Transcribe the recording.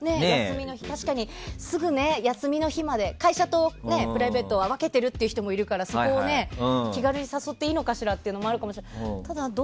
休みの日まで会社とプライベートは分けている人もいるからそこを気軽に誘っていいのかしらみたいのもあるかもしれない。